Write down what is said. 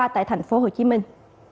tại thành phố hồ chí minh